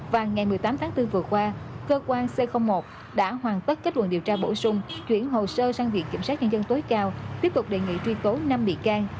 và ngày một mươi tám tháng bốn vừa qua cơ quan c một đã hoàn tất kết luận điều tra bổ sung chuyển hồ sơ sang viện kiểm sát nhân dân tối cao tiếp tục đề nghị truy tố năm bị can